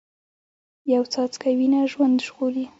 یو څاڅکی وینه ژوند ژغوري